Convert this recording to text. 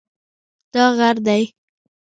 دا غر دی